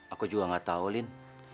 aku juga nggak tahu lin